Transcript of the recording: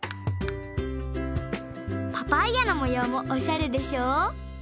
パパイアのもようもおしゃれでしょ？